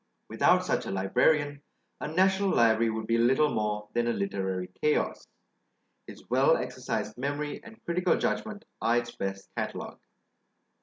Without such a librarian, a national library would be little more than a literary chaos; his well exercised memory and critical judgment are its best catalogue.